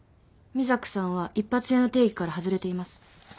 ＭＩＺＡＣさんは一発屋の定義から外れています。